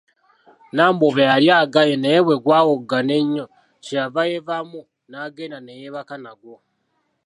Nambobya yali agaanyi naye bwegwawoggana ennyo kyeyava yeevaamu n’agenda ne yeebaka nagwo.